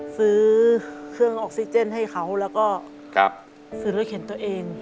ซื้อเครื่องออกซิเจนให้เขาแล้วก็ซื้อรถเข็นตัวเอง